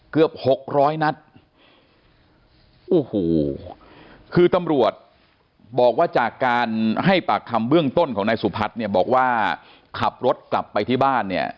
หกร้อยนัดโอ้โหคือตำรวจบอกว่าจากการให้ปากคำเบื้องต้นของนายสุพัฒน์เนี่ยบอกว่าขับรถกลับไปที่บ้านเนี่ย